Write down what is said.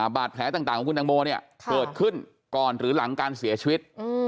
บาดแผลต่างของคุณตังโมเนี่ยเกิดขึ้นก่อนหรือหลังการเสียชีวิต